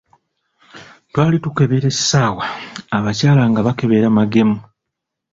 Twali tukebera essaawa, Abakyala nga bakebera magemu.